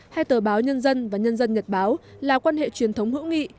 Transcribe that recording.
hai tờ báo nhân dân và nhân dân nhật báo là quan hệ truyền thống hữu nghị